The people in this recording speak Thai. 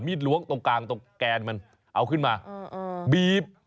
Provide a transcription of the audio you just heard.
ล้วงตรงกลางตรงแกนมันเอาขึ้นมาบีบ